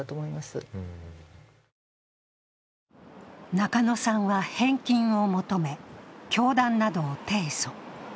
中野さんは返金を求め教団などを提訴。